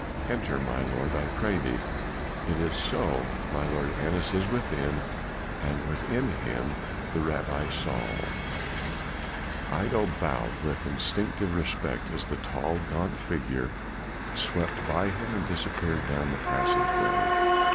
"Enter, my lord, I pray thee. It is so, my lord Annas is within, and with him the Rabbi Saul." Iddo bowed with instinctive respect as the tall, gaunt figure swept by him and disappeared adown the passageway.